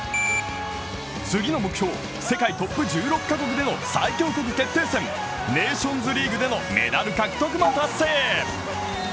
次の目標、世界トップ１６か国での最強国決定戦、ネーションズリーグでのメダル獲得も達成。